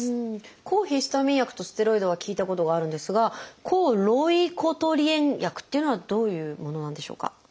抗ヒスタミン薬とステロイドは聞いたことがあるんですが抗ロイコトリエン薬っていうのはどういうものなんでしょうか？